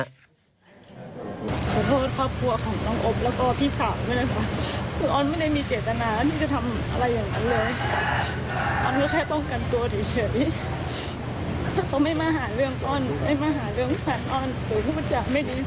อ้อนก็ไปหาตามหนูมันไม่เคยพูดว่าอ้อนไหนดูเว้ย